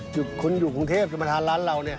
จุดคุณอยู่กรุงเทพจะมาทานร้านเราเนี่ย